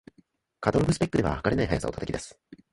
カタログスペックでは、はかれない速さを叩き出す